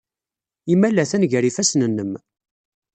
Imal atan gar yifassen-nnem.